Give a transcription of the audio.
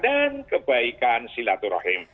dan kebaikan silaturahim